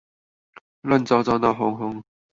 亂糟糟鬧哄哄